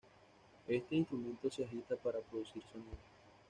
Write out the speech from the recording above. Este instrumento se agita para producir sonido.